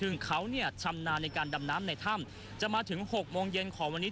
ในการดำน้ำในถ้ำจะมาถึง๖โมงเย็นของวันนี้